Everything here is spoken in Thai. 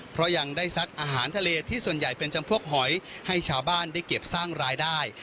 เพราะยังได้ซัดอาหารทะเลที่ส่วนใหญ่เป็นจำพวกหอยให้ชาวบ้านได้เก็บสร้างรายได้